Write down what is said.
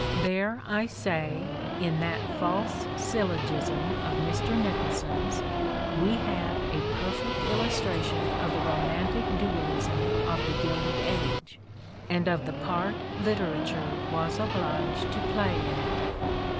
There, I say, in that false syllogism of Mr. Nicholson 's, we have a perfect illustration of the romantic dualism of the Gilded Age and of the part literature was obliged to play in it.